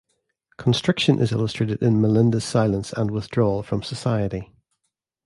Constriction is illustrated in Melinda's silence and withdrawal from society.